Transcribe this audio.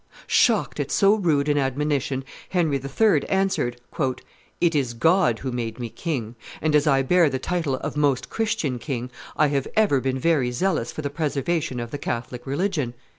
Shocked at so rude an admonition, Henry III. answered, "It is God who made me king; and as I bear the title of Most Christian King, I have ever been very zealous for the preservation of the Catholic religion.